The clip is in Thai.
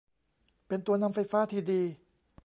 เป็นตัวนำไฟฟ้าที่ดี